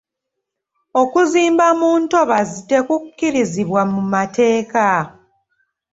Okuzimba mu ntobazi tekukkirizibwa mu mateeka.